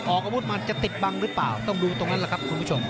ออกอาวุธมันจะติดบังหรือเปล่าต้องดูตรงนั้นแหละครับคุณผู้ชม